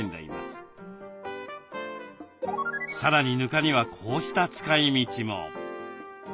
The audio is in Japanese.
さらにぬかにはこうした使い道も。